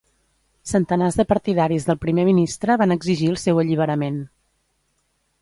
Centenars de partidaris del primer ministre van exigir el seu alliberament.